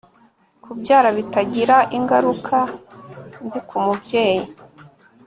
kubyara bitagira ingaruka mbi ku mubyeyi